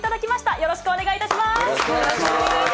よろしくお願いします。